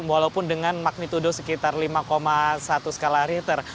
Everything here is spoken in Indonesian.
walaupun dengan magnitudo sekitar lima satu skala richter